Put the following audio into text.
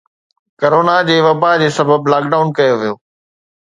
corona جي وبا سبب لاڪ ڊائون ڪيو ويو